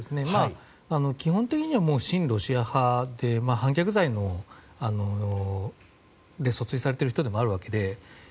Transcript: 基本的には親ロシア派で反逆罪で訴追されている人でもあるわけで。